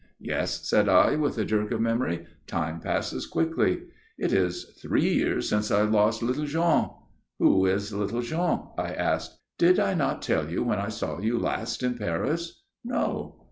"Yes," said I, with a jerk of memory. "Time passes quickly." "It is three years since I lost little Jean." "Who is little Jean?" I asked. "Did I not tell you when I saw you last in Paris?" "No."